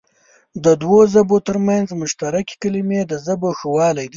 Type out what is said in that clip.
د دوو ژبو تر منځ مشترکې کلمې د ژبو ښهوالی دئ.